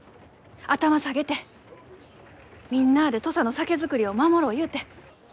頭下げてみんなあで土佐の酒造りを守ろうゆうて。